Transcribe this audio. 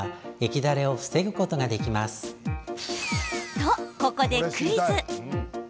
と、ここでクイズ。